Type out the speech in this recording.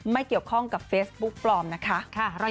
ไม่เกี่ยวข้องกับเฟซบุ๊กปลอมนะคะ